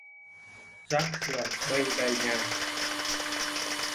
Rác rưởi bây đầy nhà